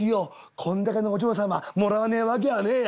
こんだけのお嬢様もらわねえ訳はねえや。